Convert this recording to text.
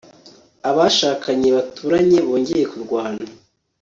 abashakanye baturanye bongeye kurwana